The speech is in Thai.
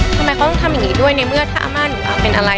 ทำไมเขาต้องทำอย่างนี้ด้วยในเมื่อถ้าอาม่าหนูเป็นอะไร